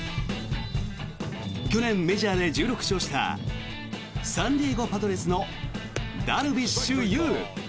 去年メジャーで１６勝したサンディエゴ・パドレスのダルビッシュ有。